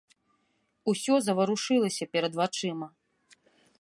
Усё заварушылася перад вачыма.